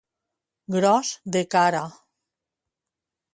Gros de cara.